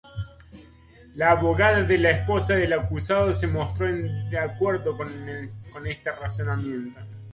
La abogada de la esposa del acusado se mostró de acuerdo con este razonamiento.